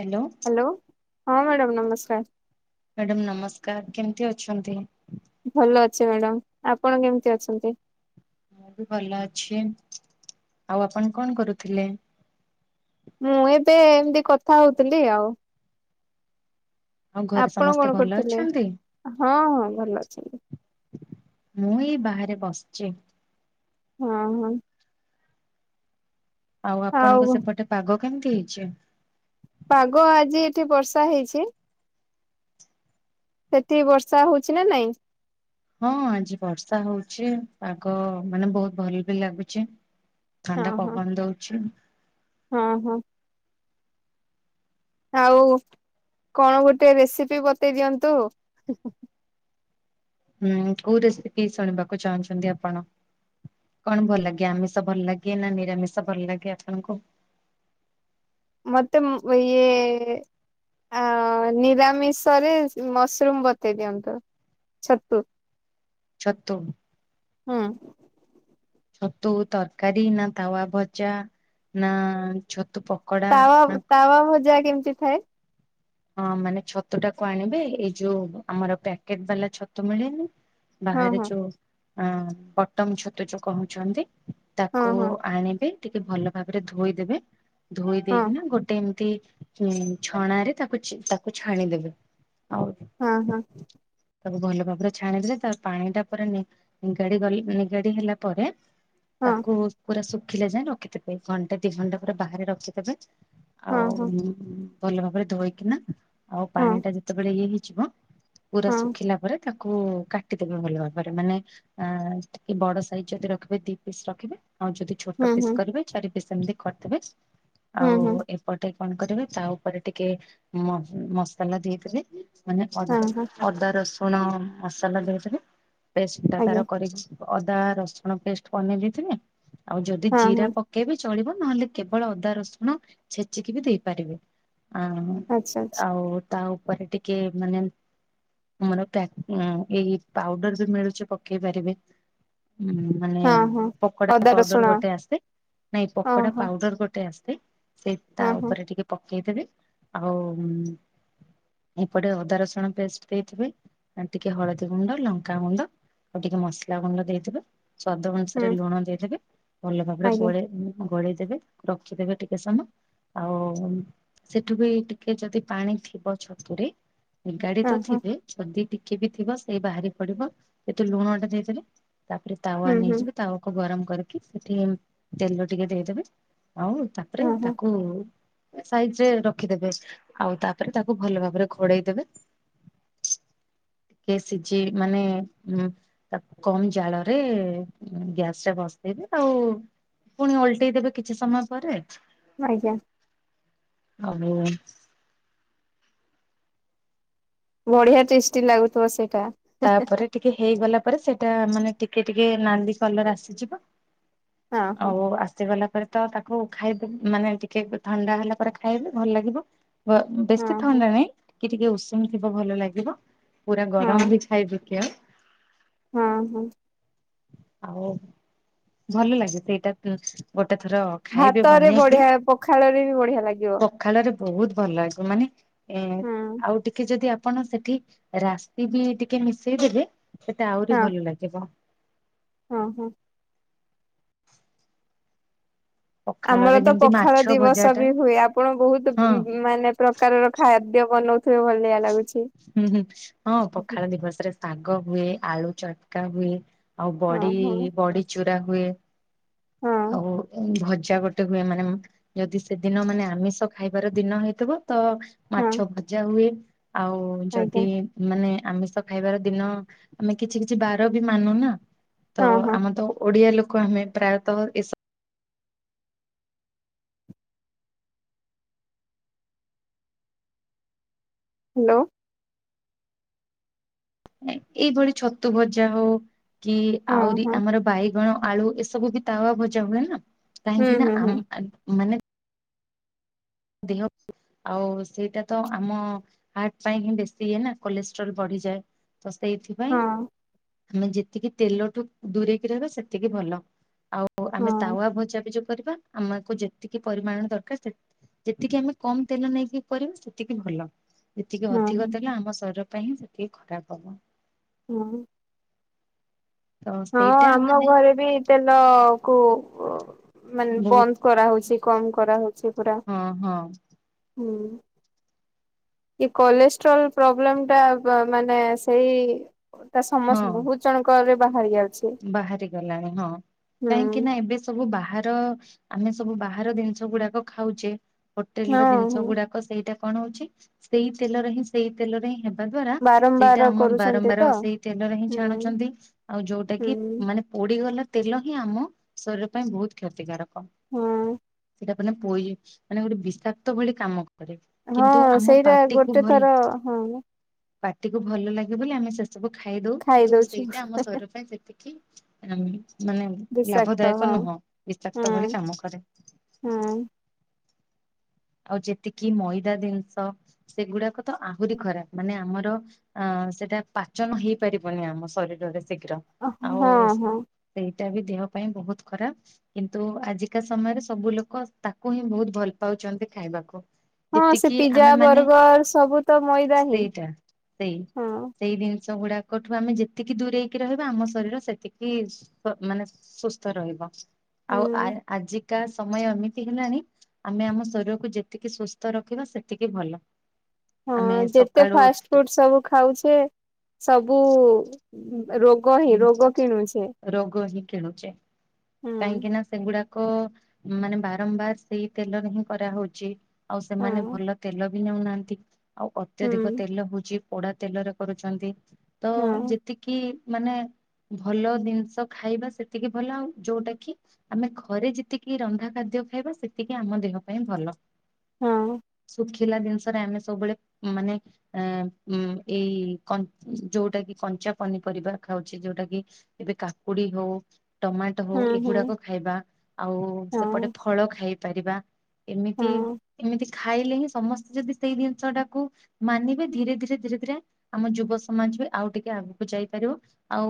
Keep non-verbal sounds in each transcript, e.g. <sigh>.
Hello. ହଁ madam ନମସ୍କାର। Madam ନମସ୍କାର କେମିତି ଅଛନ୍ତି। ଭଲ ଅଛି ମ୍ୟାଡ଼ାମ ଆପଣ କେମିତି ଅଛନ୍ତି। ମୁଁ ବି ଭଲ ଅଛି। ଆଉ ଆପଣ କଣ କରୁଥିଲେ। ମୁଁ ଏବେ ଏମତି କଥା ହଉଥିଲି ଆଉ। ଆଉ ଘରେ ଆପଣ ସମସ୍ତେ କଣ ଭଲ କରୁଥିଲେ? ଅଛନ୍ତି। ହଁ ହଁ ଭଲ ଅଛନ୍ତି ମୁଁ ଏଇ ବାହାରେ ବସିଚି। ହଁ ହଁ। ଆଉ ଆପଣଙ୍କ ସେପଟେ ପାଗ କେମିତି ହେଇଛି। ପାଗ ଆଜି ଏଠି ବର୍ଷା ହେଇଛି। ସେଠି ବର୍ଷା ହଉଛି ନା ନାଇଁ। ହଁ ଆଜି ବର୍ଷା ହଉଛି, ପାଗ ମାନେ ବହୁତ ଭଲ ବି ଲାଗୁଛି। ହଁ ଥଣ୍ଡା ହଁ ପବନ ଦଉଛି। ହଁ ହଁ। ଆଉ କଣ ଗୋଟେ ରେସିପି ବତେଇ ଦିଅନ୍ତୁ। ହୁଁ କୋଉ ରେସିପି ଶୁଣିବାକୁ ଚାହୁଁଛନ୍ତି ଆପଣ? କଣ ଭଲ ଲାଗେ ଆମିଷ ଭଲ ଲାଗେ ନା ନିରାମିଷ ଭଲ ଲାଗେ ଆପଣଙ୍କୁ। ମୋତେ ମ ଇ ଏ ଆ ନିରାମିଷରେ ମସରୁମ ବତେଇ ଦିଅନ୍ତୁ। ଚତ ପୁର। ଛତୁ। ହଁ। ଛତୁ ତରକାରୀ ନା ତାୱା ଭଜା ନା ଛ ତାୱା, ତାୱା ଭଜା କେମିତି ଥାଏ। ହଁ ମାନେ ଛତୁ ଟାକୁ ଆଣିବେ ଏଇ ଯୋଉ ଆମର ପ୍ୟାକେଟ ବାଲା ଛତୁ ମିଳେନି ହଁ ବାହାରେ ହଁ ଯୋଉ ଅ ପଟମ ଛତୁ ଯୋଉ କହୁଛନ୍ତି ହଁ ତାକୁ ହଁ ଆଣିବେ ଟିକେ ଭଲ ଭାବରେ ଧୋଇଦେବେ ଧୋଇ ହଁ ଦେଇକିନା ଗୋଟେ ଏମ ଛଣା ରେ ତାକୁ ଛାଣିଦେବେ ଆଉ ହଁ, ହଁ। ତାକୁ ଭଲ ଭାବରେ ଛାଣି ଦେଲେ ତା ପାଣି ଟା ପୁରା ନି ନିଗାଡି ଗଲା ନିଗାଡି ହେଲା ପରେ ହଁ ତାକୁ ପୁରା ଶୁଖିଲେ ଯାଏଁ ରଖିଥବେ। ଘଣ୍ଟା ଦି ଘଣ୍ଟା ପୁରା ବାହାରେ ରଖିଦେବେ ହଁ ଆଉ ହଁ ଭଲ ଭାବରେ ଧୋଇକିନା ଆଉ ହଁ ପାଣି ଟା ଯେତେବେଳେ ଇଏ ହେଇ ଯିବ ପୁରା ହଁ ଶୁଖିଲା ପରେ ତାକୁ କାଟିଦବେ ଭଲ ଭାବରେ ମାନେ ଅ ଟିକେ ବଡ ସାଇଜ ଯଦି ରଖିବେ ଦି ପିସ୍ ରଖିବେ ଆଉ ଯଦି ଛୋଟ ହୁଁ ପିସ୍ ହୁଁ କରିବେ ଚାରି ପିସ୍ ଏମିତି କରିଦବେ। ହୁଁ ଆଉ ହୁଁ ଏପଟେ କଣ କରିବେ ତା ଉପରେ ଟିକେ ମସଲା ଦେଇଦେବେ ମାନେ ହଁ ଅଦା ହଁ ଅଦା ରସୁଣ ମସଲା ଦେଇଦବେ ପେଷ୍ଟ ଟା ଆଜ୍ଞା ତାର କରିକି ଅଦା ରସୁଣ ପେଷ୍ଟ ବନେଇ ଦେଇେଇଥିବେ, ଆଉ ଯଦି ହଁ ହଁ ଜିରା ପକେଇବେ ଚଳିବ ନହେଲେ କେବଳ ଅଦା ରସୁଣ ଛେଚିକି ବି ଦେଇପାରିବେ। ଆ ଆଚ୍ଛା ଆଚ୍ଛା ଆଉ ତା ଉପରେ ଟିକେ ମାନେ ଆମର ପାକ ଏଇ ପାଉଡର ବି ମିଳୁଛି ପକେଇ ପାରିବେ ହୁଁ ମାନେ ହଁ ହଁ ପକୋଡା ଅଦା ରସୁଣ ପାଉଡର ଗୋଟେ ଆସେ। ନାଇଁ ଓହୋ ପକୋଡା ପାଉଡର ଗୋଟେ ଆସେ ସେ ତା ହଁ ହଁ ହଁ ଉପରେ ଟିକେ ପକେଇଦେବେ, ଆଉ ଏପଟେ ଅଦା ରସୁଣ ପେଷ୍ଟ ଦେଇଥିବେ ଟିକେ ହଳଦୀ ଗୁଣ୍ଡ, ଲଙ୍କାଗୁଣ୍ଡ ଆଉ ଟିକେ ମସଲା ଗୁଣ୍ଡ ଦେଇଦେବେ ସ୍ଵାଦ ଅନୁସାରେ ହୁଁ ଲୁଣ ଦେଇଦେବେ ଭଲ ଭାବରେ ଆଜ୍ଞା ଗୋଳେଇ, ଗୋଳେଇ ଦେବେ ରଖିଦେବେ ଟିକେ ସମୟ। ଆଉ ସେଠୁ ବି ଟିକ ଟିକେ ଯଦି ପାଣି ଥିବ ଛତୁରେ, ନିଗାଡି ହଁ ତ ହଁ ଥିବେ ଯଦି ଟିକ କିବି ଥିବ ସେଇ ବାହାରି ପଡିବ। ଏଠି ଲୁଣଟା ଦେଇଦେବେ ତାପରେ ତାୱା ହୁଁ ହୁଁ ନେଇଯିବେ ତାୱାକୁ ଗରମ କରିକି ସେଠି ତେଲ ଟିକେ ଦେଇଦେବେ ଆ ଉ ତାପରେ ହଁ ହଁ ତାକୁ ସାଇଜ ରେ ରଖିଦେବେ। ଆଉ ତାପରେ ତାକୁ ଭଲ ଭାବରେ ଘୋଡେଇ ଦେବେ ଟିକେ ସିଝି ମାନେ ଉ ତାକୁ କମ ଜାଳରେ ଗ୍ୟାସରେ ବସି ଦେବେ ଆଉ ପୁଣି ଅଲଟେଇଦବେ କିଛି ସମୟ ପରେ ଆଜ୍ଞା ଆଉ। ବଢିଆ ଟେଷ୍ଟି ଲାଗୁଥିବ ସେ ତାପରେ ଟିକେ ହେଇଗଲା ପରେ ସେଟା ମାନେ ଟିକେ ଟିକେ ନାଲି କଲର ଆସିଯିବ ହଁ ହଁ ଆଉ ଆସି ଗଲା ପରେ ତ ତାକୁ ଖାଇବେ ମାନେ ଟିକେ ଥଣ୍ଡା ହେଲା ପରେ ଖାଇବେ ଭଲ ଲାଗିବ ଗ ହଁ ବେଶୀ ହଁ ଥଣ୍ଡା ନାହିଁ ଟିକେ ଟିକେ ଉଷୁମ ଥିବ ଭଲ ଲାଗିବ। ପୁରା ହଁ ଗରମ ବି <unintelligible> ହଁ, ହଁ। ଆଉ ଭଲ ଲାଗେ ସେଇଟା ତ ପ ଗୋଟେ ଥର ଖାଇବେ ଭାତରେ ବନେଇକି। ବଢିଆ ପଖାଳରେ ବି ବଢିଆ ଲାଗିବ ପଖାଳରେ ବହୁତ ଭଲ ଲାଗିବ ମାନେ ଏ ହୁଁ ଆଉ ଟିକେ ଯଦି ଆ ଆପଣ ସେଠି ରାସି ବି ଟିକେ ମିଶେଇ ଦେଲେ ସେଟା ହଁ ଆହୁରି ଭଲ ଲାଗିବ। ହଁ ହଁ। ପଖାଳରେ ଆମର ତ ଯେମିତି ମାଛ ପଖାଳ ଭଜା ଦିବସ ଟା ବି ହୁଏ ଆପଣ ବହୁତ ହଁ ଉଁ ମାନେ ପ୍ରକାରର ଖାଦ୍ୟ ବନଉ ସେ ଭଲିଆ ଲାଗୁଛି। ହୁଁ ହୁଁ ହଁ ପଖାଳ ଦିବସରେ ଶାଗ ହୁଏ ଆଳୁ ଚଟକା ହୁଏ। ଆଉ ବଡ଼ି ହଁ ହଁ ବଡ଼ି ଚୁରା ହୁଏ ହଁ ଆଉ ଭ ଭଜା ଗୋଟେ ହୁଏ ମାନେ ଯଦି ସେଦିନ ମାନେ ଆମିଷ ଖାଇବାର ଦିନ ହେଇଥିବ ତ ହଁ ମାଛ ଭଜା ହୁଏ ଆଉ ଆଜ୍ଞା ଯଦି ମାନେ ଆମିଷ ଖାଇବାର ଦିନ ଆମେ କିଛି କିଛି ବାର ବି ମାନୁନା ହଁ ତ ହଁ ଆମ ତ ଓଡିଆ ଲୋକ ଆମେ ପ୍ରାୟତଃ ଏସ ହ୍ୟାଲୋ। ଏଇଭଳି ଛତୁ ଭଜା ହଉ କି ହଁ ଆହୁରି ହଁ ଆମର ବାଇଗଣ ଆଳୁ ଏସବୁ ବି ତାୱା ଭଜା ହୁଏ ନା ହୁଁ କାହିଁକିନା ହୁଁ ଆ ହୁଁ ମାନେ ଦେହ ଆଉ ସେଇଟା ତ ଆମ ହାର୍ଟ ପାଇଁ ହିଁ ବେଶୀ ଇଏ ନା କୋଲେଷ୍ଟ୍ରୋଲ୍ ବଢି ଢ଼ି ଯାଏ ତ ସେଇଥିପାଇଁ ହଁ ଆମେ ଯେତିକି ତେଲଠୁ ଦୂରେଇକି ରହିବା ସେତିକି ଭଲ ଆଉ ହଁ ଆମେ ତାୱା ଭଜା ବି ଯ କରିବା ଆମକୁ ଯେତିକି ପରିମାଣ ଦରକାର ସେ ଯେତିକି ଆମେ କମ ତେଲ ନେଇକି କରିବୁ ସେତିକି ଭଲ ଯେତିକି ହଁ ହଁ ଅଧିକ ତେଲ ଆମ ଶରୀର ପାଇଁ ସେତିକି ଖରାପ ହବ। ହଁ। ତ ହଁ ସେଇଟା ଆମ ମାନେ ଘରେ ବି ତେଲ କୁ ଅ ମାନେ ବହୁତ ବନ୍ଦ କରାହଉଛି କମ କରାହଉଛି ପୁରା। ହଁ ହଁ ହୁଁ। ଏ କୋଲେଷ୍ଟ୍ରଲ ପ୍ରୋବ୍ଲେମଟା ପା ମାନେ ସେଇ ତା ସମସ୍ତେ ହଁ। ବହୁତ ଜଣଙ୍କରେ ବାହାରି ଯାଉ ବାହାରି ଗଲାଣି ହଁ କାହିଁକିନା ଏବେ ସବୁ ବାହାର ଆମେ ସବୁ ବାହାର ଜିନିଷ ଗୁଡାକ ଖାଉଛେ ହୋଟେଲ୍ ର ହଁ ଜିନିଷ ହଁ ଗୁଡ଼ାକ ସେଇଟା କଣ ହଉଛି ସେଇ ତେଲରେ ହିଁ ସେଇ ତେଲରେ ହିଁ ହେବ ଦ୍ଵାରା ସେଇଟା ବାରମ୍ବାର ଆମ କରୁଛନ୍ତି ବାରମ୍ବାର ତ ସେଇ ତେଲର ହିଁ ହୁଁ ଛାଣୁଛନ୍ତି ଆଉ ଯୋଉ ହୁଁ ମାନେ ପୋଡ଼ି ଗଲା ତେଲ ହିଁ ଆମ ଶରୀର ପାଇଁ ବହୁତ କ୍ଷତିକାରକ। ହଁ। ସେଇଟା ମାନେ ପୋଇ ମାନେ ଗୋଟେ ବିଷାକ୍ତ ଭଳି କାମ କରେ। ହଁ କିନ୍ତୁ ଆମ ସେଇରା ଗୋଟେ ଭଲ ଥର ହଁ ମ ପାଟିକୁୁ ଭଲ ଲାଗେ ବୋଲି ଆମେ ସେ ସବୁ ଖାଇଦଉ କିନ୍ତୁ ଖାଇଦଉଛୁ ସେଇଟା ଆମ ଶରୀର ପାଇଁ ସେ କି ଆମେ ମାନେ ବିଷାକ୍ତ ଲାଭଦାୟକ ହଁ ନୁହଁ ହୁଁ ବିଷାକ୍ତ ଭଳି କାମ କରେ। ହୁଁ ଆଉ ଯେତିକି ମଇଦା ଜିନିଷ ସେଗୁଡ଼ାକ ତ ଆହୁରି ଖରାପ ମାନେ ଆମର ଅ ସେଇଟା ପାଚନ ହେଇପାରିବନି ଆମ ଶରୀରରେ ଶୀଘ୍ର ଆଉ ହଁ ସେ ହଁ ସେଟା ବି ଦେହ ପାଇଁ ବହୁତ ଖରାପ କିନ୍ତୁ ଆଜିକା ସମୟରେ ସବୁ ଲୋକ ତାକୁ ହିଁ ବହୁତ ଭଲ ପାଉଚନ୍ତି। ଖାଇବାକୁ। ହଁ ସେ ପିଜା ମାନେ ବରର୍ଗର ସବୁ ତ ମଇଦା ହିଁ ହଁ। ସବୁଗୁଡ଼ାକ ଠୁ ଆମେ ଯେତିକି ଦୂରେଇକି ରହିବା ଆମ ଶରୀର ସେତିକି ସୁ ମାନେ ସୁସ୍ଥ ରହିବ। ହୁଁ ଆଉ ଆ-ଆଜିକା ସମୟ ଏମିତି ହେଲାଣି ଆମେ ଆମ ଶରି କୁ ଯେତିକି ସୁସ୍ଥ ରଖିବା ସେତିକି ଭଲ। ହଁ ଆମେ ଯେତେ ସକାଳୁ ଫାଷ୍ଟ୍ ଫୁଡ୍ ସବୁ ଖାଉଛେ ସବୁ ରୋଗୋ ହିଁ ରୋଗ କିଣୁଛେ। ରୋଗ ହିଁ କିଣୁଛେ ହୁଁ କାହିଁକି ନା ସେଗୁଡ଼ାକ କ- ମାନେ ବାରମ୍ବାର ସେଇ ତେଲ ରେ ହିଁ କରାହଉଛି ଆଉ ହଁ ସେମାନେ ଭଲ ତେଲ ବି ନଉନାହାନ୍ତି ଆଉ ହୁଁ ଅତ୍ୟଧିକ ତେଲ ଭୋଜି ପୋଡ଼ା ତେଲରେ କରୁଛନ୍ତି। ତ ହଁ ଯେତିକି ମାନେ ଭଲ ଜିନିଷ ଖାଇବା ସେତିକି ଭଲ ଆଉ ଯୋଉଟା କି ଆମେ ଘରେ ଯେତିକି ରନ୍ଧା ଖାଦ୍ୟ ଖାଇବା ସେତିକି ଆମ ଦେହ ପାଇଁ ଭଲ। ହଁ ଶୁଖି ଲା ଜିନିଷରେ ଆମେ ସବୁବେଳେ ମାନେ ଉ ଉଁ-ଏଇ ଯୋଉଟା କି କଞ୍ଚ ଞ୍ଚା ପନିପରିବା ଖାଉଛି ଯୋଉଟା କି ଏବେ କାକୁଡି ହଉ ଟମାଟୋ ହଉ ହୁଁ ଏଗୁଡାକ ଖାଇବା ଆଉ ହୁଁ ସେପଟେ ଫଳ ଖାଇପାରିବା। ହଁ ଏମିତି ଏମିତି ଖାଇଲେ ହିଁ ସମସ୍ତେ ଯଦି ସେଇ ଜିନିଷ ଟାକୁ ମାନିବେ ଧୀରେ ଧୀରେ ଧୀରେ ଧୀରେ ଆମ ଯୁବ ସମାଜ ଆଉ ଟିକେ ଆଗକୁ ଯାଇପାରିବ। ଆଉ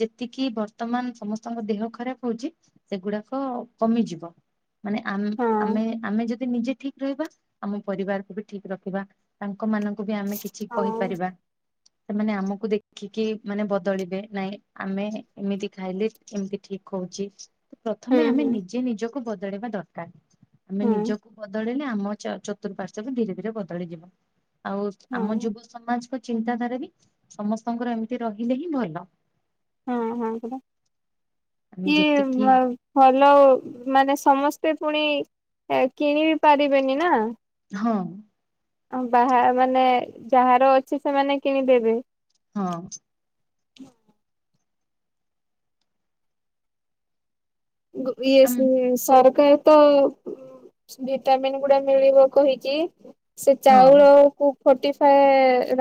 ଯେତିକି ବର୍ତ୍ତମାନ ସମସ୍ତଙ୍କ ଦେହ ଖରାପ ହଉଛି ସେଗୁଡାକ କମ ମିଯିବ ମାନେ ହଁ ହଁ ଆମ୍-ଆମେ ଯଦି ନିଜେ ଠିକ୍ ରହିବା ଆମ ପରିବାରକୁ ବି ଠିକ ରଖିବା ତାଙ୍କ ମାନଙ୍କୁ ବି ଆମେ କିଛି ହଁ କହିପାରିବା। ସେମାନେ ଆମକୁ ଦେଖିକି ମାନେ ବଦ୍ ବଦଳିବେ ନାଇଁ ଆମେ ଏମିତି ଖାଇଲେ ଏମିତି ଠିକ ହଉଛି। ହୁଁ ପ୍ରଥମେ ଆମେ ହୁଁ ନିଜେ ନିଜକୁ ବଦଳେଇବା ଦରକାର। ଆମେ ହୁଁ ନିଜକୁ ବଦଳେଇଲେ ଆମ ଚ-ଚତୁଃପାର୍ଶ୍ଵ ବି ଧୀରେ ଧୀରେ ବଦଳିଯିବ ଆଉ ଆମ ହଁ ଯୁବ ସମାଜ ଚିନ୍ତାଧାରା ବି ସମସ୍ତଙ୍କର ଏମିତି ରହିଲେ ହିଁ ଭଲ। ହୁଁ ହୁଁ ସେଟା ଆମେ ଯେତିକି କିଏ ଭଲ ଓ ମାନେ ସମସ୍ତେ ପୁଣି କିଣି ବିି ପାରିବେନି ନା। ହଁ। ଅ ବାହା ମାନେ ଯାହାର ଅଛି ସେମାନେ କିଣିଦେବେ। ହଁ ହଁ। ଆମ ଏସା-ସାରକା ତ ଭିଟାମିନ୍ ଗୁଡା ମିଳିବ କହିକି ସେ ହଁ ଚାଉଳକୁ ଫୋଟି ଫାଏ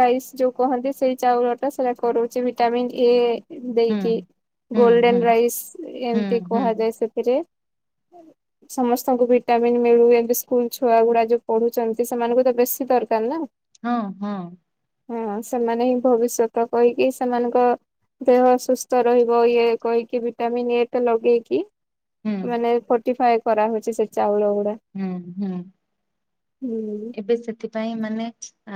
ରାଇସ୍ ଯୋଉ କହନ୍ତି ସେଇ ଚାଉଳ ଟା ସେଇଟା କରାଉଛି ଭିଟାମିନ୍ ଏ ହୁଁ ଦେଇକି ହୁଁ ହୁଁ ଗୋଲଡେନ ରାଇସ୍ ହୁଁ ଏମିତି ହୁଁ କୁହାଯାଏ ସେଥିରେ। ସମସ୍ତଙ୍କୁ ଭିଟାମିନ ମିଳୁ ଏମିତି ସ୍କୁଲ ଛୁଆ ଗୁଡା ଯୋଉ ପଢୁଛନ୍ତି ସେମାନଙ୍କୁ ଦେବେ। ବେଶୀ ଦରକାର ନା। ହଁ ହଁ। ହଁ ସେମାନେ ହିଁ ଭବିଷ୍ୟତ କହିକି ସେମାନଙ୍କ ଦେହ ଅସୁସ୍ଥ ରହିବ ଇଏ କହିକି ଭିଟାମିନ ଏ ଟା ଦେଇକି ହୁଁ ମାନେ ଫୋଟିଫାଏ କରା ହଉଛି ସେ ଚାଉଳ ଗ ହୁଁ ହୁଁ ହୁଁ। ଏବେ ସେଥିପାଇଁ ମାନେ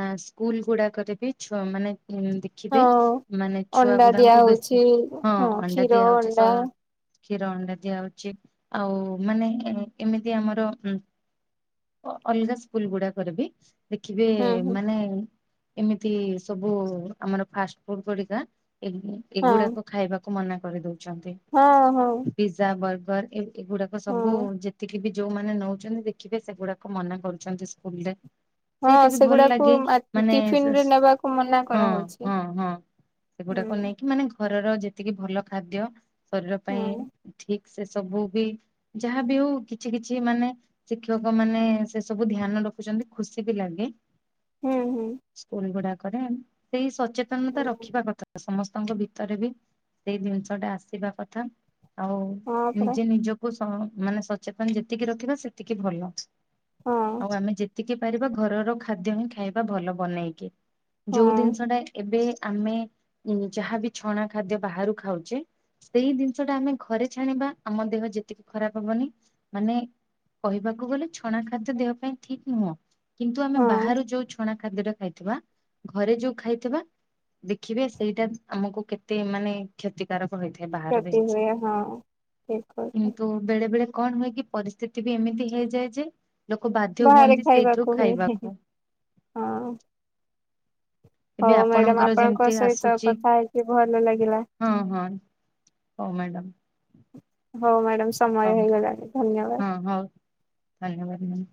ଆ ସ୍କୁଲ ଗୁଡାକରେ ବି ଛ ମାନେ ଉଁ ଦେଖିବେ ହଁ ମାନେ ଛୁଆ ଅଣ୍ଡା ଦିଆ ଗୁଡାଙ୍କୁ ହଉଛି ବେଶୀ ହଁ ଅଣ୍ଡା କ୍ଷୀର ଦିଆ ହଉଛି ଅଣ୍ଡା ଶହେ କ୍ଷୀର ଅଣ୍ଡା ଦିଆ ହଉଛି ଆଉ ମାନେ ଏମିତି ଆମର ଅଲଗା ସ୍କୁଲ ଗୁଡାକରେ ବି ଦେଖିବେ ହୁଁ ହୁଁ। ମାନେ ଏମିତି ସବୁ ଆମର ଫାଷ୍ଟ ଫୁଡ ଗୁଡିକା ହଁ ଏଗୁଡାକ ଖାଇବାକୁ ମନା କରି ଦଉଛନ୍ତି ହଁ ହଁ ପିଜା ବର୍ଗର ଏଗ-ଏଗୁଡାକ ସବୁ ହଁ। ଯେତିକି ଯୋଉମାନେ ନେଉଛନ୍ତି ଦେଖିବେ ସେଗୁଡାକୁ ମନା କରୁଛନ୍ତି ସ୍କୁଲ ରେ। ହଁ ସେଇଟା ବି ଭଲ ସେଗୁଡାକୁ ଲାଗେ ମା ମାନେ ଟିଫିନ ରେ ନେବାକୁ ମନା ହଁ କରାହଉଛି। ହଁ ହଁ। ହୁଁ ସେଗୁଡାକୁ ନେଇକି ମାନେ ଘରର ଯେତିକି ଭଲ ଖାଦ୍ୟ ଶରୀର ପାଇଁ ହୁଁ ଠିକ୍ ସେ ସବୁ ବି ଯାହା ବି ହଉ କିଛି କିଛି ମାନେ ଶିକ୍ଷକ ମାନେ ସେ ସବୁ ଧ୍ୟାନ ରଖୁଛନ୍ତି ଖୁସି ବି ଲାଗେ ହୁଁ ହୁଁ ସ୍କୁଲ ଗୁଡା କରେ ସେଇ ସଚେତନତା ରଖିବା କଥା। ସମସ୍ତଙ୍କ ଭିତରେ ବି ସେଇ ଜିନିଷ ଟା ଆସିବା କଥା। ଆଉ ହଁ ପରା ନିଜେ ନିଜକୁ ସ-ମାନେ ସଚେତନ ଯେତିକି ରଖିବା ସେତିକି ଭଲ। ହଁ ଆଉ ଆମେ ଯେତିକି ପାରିବା ଘରର ଖାଦ୍ୟ ହିଁ ଖାଇବା ଭଲ ବନେଇକି। ଯୋଉ ହଁ ଜିନିଷ ଟା ଏବେ ଆମେ ଯାହାବି ଛଣା ଖାଦ୍ୟ ବାହାରୁ ଖାଉଛେ ସେଇ ଜିନିଷ ଟା ଆମେ ଘରେ ଛାଣିବା ଆମ ଦେହ ଯେତିକି ଖରାପ ହବନି ମାନେ କହିବାକୁ ଗଲେ ଛଣା ଖାଦ୍ୟ ଦେହ ପାଇଁ ଠିକ ନୁହଁ କିନ୍ତୁ ଆମେ ହଁ ବାହାରୁ ଯୋଉ ଛଣା ଖାଦ୍ୟଟା ଖାଇଥିବା ଘରେ ଯୋଉ ଖାଇଥିବା ଦେଖିବେ ସେଇଟା ଆମକୁ କେତେ ମାନେ କ୍ଷତିକାରକ। ଥାଏ ବାହାର କ୍ଷତି ହୁଏ ଜିନିଷ ହଁ ଠିକ କଥା। କିନ୍ତୁ ବେଳେ ବେଳେ କଣ ହୁଏ କି? ପରିସ୍ଥିତି ବି ଏମିତି ହେଇଯାଏ ଯେ ଲୋକ ବାଧ୍ୟ ବାହାରେ ହୁଅନ୍ତି ସେଇଥୁ ଖାଇବାକୁ ହୁଏ ଖାଇବାକୁ। ହଁ ଏବେ ହଉ ମ୍ୟାଡାମ ଆପଣଙ୍କର ଆପଣଙ୍କ ଯେମିତି ସହିତ ଆସୁଛି କଥା ହେଇକି ଭଲ ଲାଗିଲା। ହଁ ହଁ। ହଉ ମ୍ୟାଡ଼ାମ। ହଉ ମ୍ୟାଡାମ ସମୟ ହଉ ହେଇଗଲାଣି ଧନ୍ୟବାଦ। ହଁ ହଉ ଧନ୍ୟବାଦ <unintelligible>